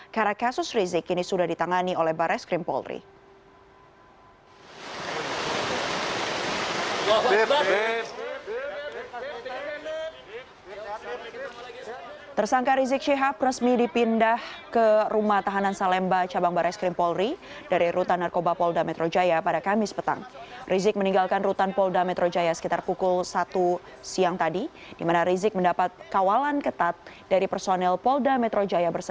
karena kasus rizik ini sudah ditangani oleh barai skrimpolri